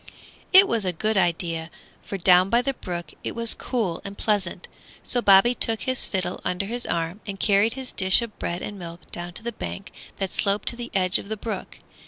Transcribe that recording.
It was a good idea, for down by the brook it was cool and pleasant; so Bobby took his fiddle under his arm and carried his dish of bread and milk down to the bank that sloped to the edge of the brook.